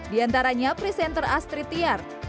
di antaranya presenter astrid tiar